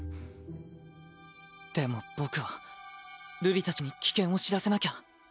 でも僕は瑠璃たちに危険を知らせなきゃ。